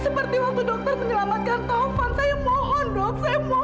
seperti waktu dokter menyelamatkan taufan saya mohon dok saya mohon